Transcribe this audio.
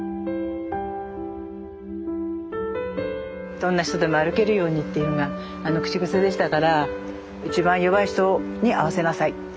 どんな人でも歩けるようにっていうのが口癖でしたから一番弱い人に合わせなさい。